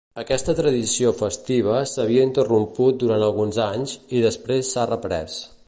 Aquesta tradició festiva s'havia interromput durant alguns anys, i després s'ha reprès.